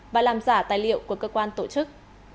và làm giả tài liệu của cơ quan tổ chức